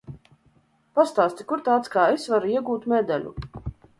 Pastāsti, kur tāds kā es var iegūt medaļu?